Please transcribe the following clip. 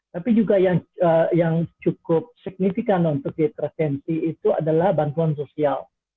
tapi juga yang cukup signifikan untuk diintervensi itu adalah bantuan sosial